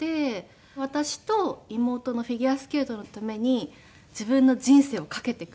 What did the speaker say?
私と妹のフィギュアスケートのために自分の人生を懸けてくれた母で。